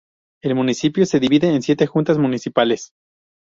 El municipio se divide en siete juntas municipales.